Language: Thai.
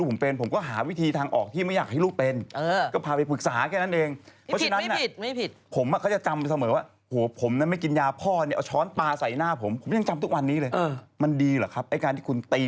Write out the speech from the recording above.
คุณที่อยากอะไรอยากแผงคลมาร์นลูกอย่าทำอย่างนี้อย่างนี้